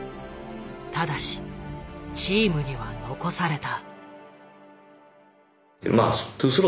ただしチームには残された。